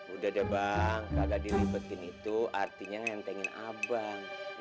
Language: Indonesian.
udah deh bang kagak dilibatin itu artinya ngentengin abang